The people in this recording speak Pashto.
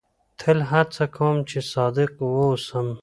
تل هڅه کوم، چي صادق واوسم.